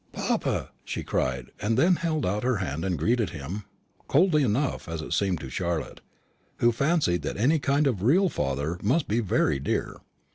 "Papa!" she cried, and then held out her hand and greeted him; coldly enough, as it seemed to Charlotte, who fancied that any kind of real father must be very dear.